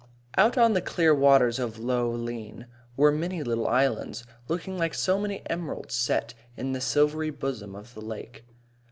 Out on the clear waters of Lough Lean were many little islands, looking like so many emeralds set in the silvery bosom of the lake.